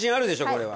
これは。